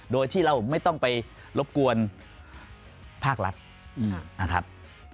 โดยที่เราไม่ต้องไปรบกวนภาครัฐนะครับ